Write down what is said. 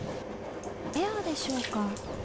ペアでしょうか？